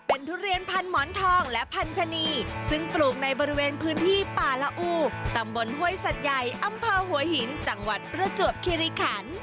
เป็นทุเรียนพันหมอนทองและพันธนีซึ่งปลูกในบริเวณพื้นที่ป่าละอูตำบลห้วยสัตว์ใหญ่อำเภอหัวหินจังหวัดประจวบคิริขัน